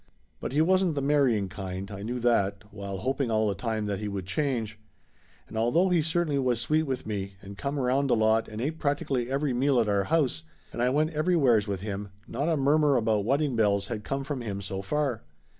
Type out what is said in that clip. But he wasn't the marrying kind, I knew that, while hoping all the time that he would change. And although he certainly was sweet with me, and come around a lot and ate practically every meal at our house, and I went everywheres with him, not a murmur about wedding bells had come from him so far.